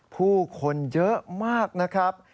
ผู้คนเยอะมากนะครับ